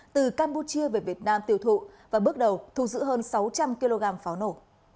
từ campuchia về việt nam tiêu thụ và bước đầu thu giữ hơn sáu trăm linh kg pháo nổ